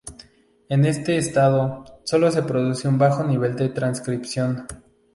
En este estado, sólo se produce un bajo nivel de transcripción.